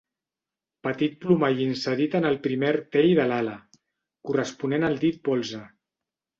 Petit plomall inserit en el primer artell de l'ala, corresponent al dit polze.